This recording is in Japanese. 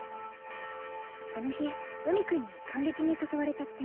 その日海君に観劇に誘われちゃって。